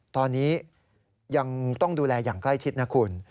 ตอนนี้ยังต้องดูแลอย่างใกล้ชิดนะคุณ